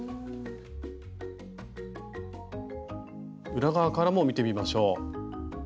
裏側からも見てみましょう。